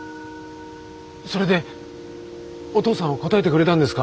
それでお父さんは答えてくれたんですか？